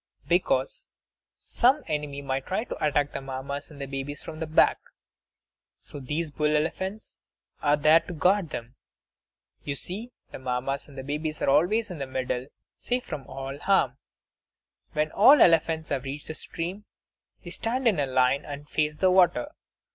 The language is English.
Because some enemy might try to attack the Mammas and the babies from the back; so these bull elephants are there to guard them. You see, the Mammas and the babies are always in the middle, safe from all harm. When all the elephants have reached the stream, they stand in line and face the water.